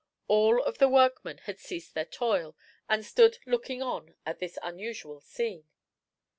All of the workmen had ceased their toil, and stood looking on at this unusual scene.